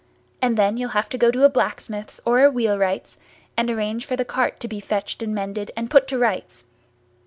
And then you'll have to go to a blacksmith's or a wheelwright's and arrange for the cart to be fetched and mended and put to rights.